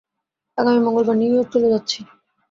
আগামী মঙ্গলবার নিউ ইয়র্কে চলে যাচ্ছি।